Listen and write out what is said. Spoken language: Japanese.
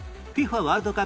ワールドカップ